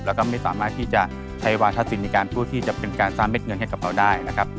แล้วก็ไม่สามารถที่จะใช้วาธศิลปในการพูดที่จะเป็นการสร้างเม็ดเงินให้กับเราได้นะครับ